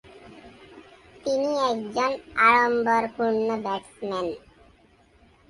তিনি একজন আড়ম্বরপূর্ণ ব্যাটসম্যান।